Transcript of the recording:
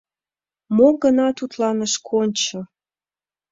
Мо гына тудлан ыш кончо: